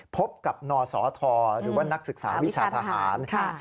พบกับนศธหรือว่านักศึกษาวิชาทหาร